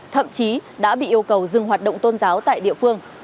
thậm chí đã bị yêu cầu dừng hoạt động tôn giáo tại địa phương